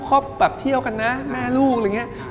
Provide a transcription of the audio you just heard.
ชอบแบบเที่ยวกันนะแม่ลูกอะไรอย่างนี้